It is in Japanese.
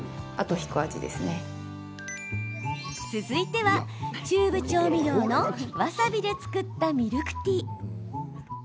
続いてはチューブ調味料のわさびで作ったミルクティー。